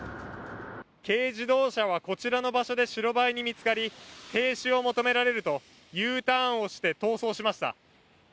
軽自動車はこちらの場所で白バイに見つかり停止を求められると、Ｕターンをして逃走しました。